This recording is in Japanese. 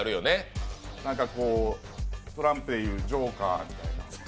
なんかこうトランプで言うジョーカー。